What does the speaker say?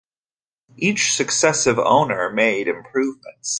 Each successive owner made improvements.